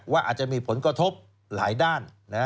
ว่าอาจจะมีผลกระทบหลายด้าน